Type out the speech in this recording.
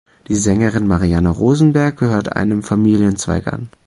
Die Sängerin Marianne Rosenberg gehört einem Familienzweig an.